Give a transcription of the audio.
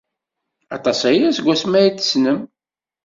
Aṭas aya seg wasmi ay t-tessnem?